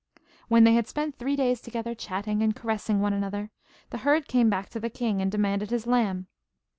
When they had spent three days together, chatting and caressing one another, the herd came back to the king, and demanded his lamb.